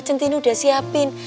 centini sudah siapin